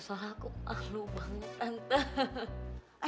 soalnya aku malu banget tante